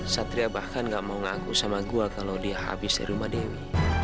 satria bahkan gak mau ngaku sama gue kalau dia habis di rumah dewi